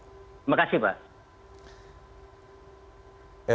terima kasih pak